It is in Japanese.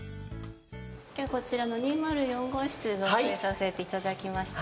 きょうは、こちらの２０４号室でご用意させていただきました。